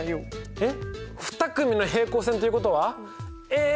えっ！